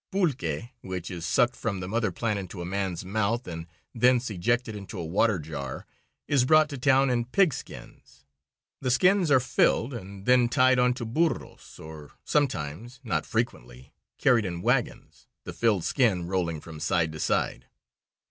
Pulque, which is sucked from the mother plant into a man's mouth and thence ejected into a water jar, is brought to town in pig skins. The skins are filled, and then tied onto burros, or sometimes not frequently carried in wagons, the filled skin rolling from side to side.